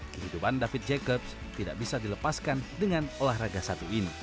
kehidupan david jacobs tidak bisa dilepaskan dengan olahraga satu ini